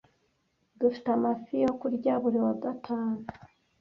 Dufite amafi yo kurya buri wa gatanu.